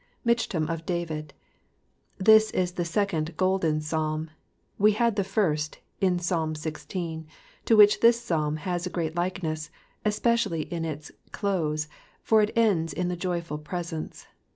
Michtam of David. This is the second golden Psahn, we had the first in Psalm xvi., to which this Psalm has a great Wceness, especially in its close, for it ends in the joyful presence.